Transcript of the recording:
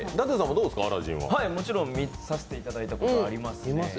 もちろん見させていただいたことはあります。